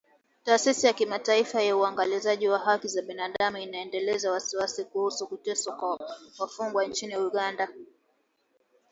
Taasisi ya Kimataifa ya Uangalizi wa Haki za Binaadamu inaelezea wasiwasi kuhusu kuteswa kwa wafungwa nchini Uganda